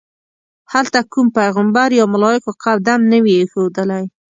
هلته کوم پیغمبر یا ملایکو قدم نه وي ایښودلی.